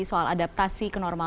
soal adaptasi ke normal